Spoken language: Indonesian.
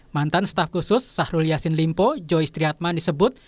mantan staf khusus syahrul yassin limpo joyce trihatma disebut